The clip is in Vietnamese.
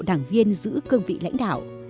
đảng viên giữ cơ vị lãnh đạo